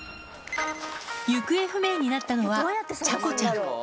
行方不明になったのは、ちゃこちゃん。